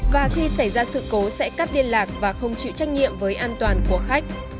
và khi xảy ra sự cố sẽ cắt liên lạc và không chịu trách nhiệm với an toàn của khách